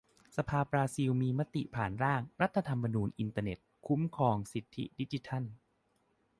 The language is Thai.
สภาบราซิลมีมติผ่านร่าง "รัฐธรรมนูญอินเทอร์เน็ต" คุ้มครองสิทธิดิจิทัล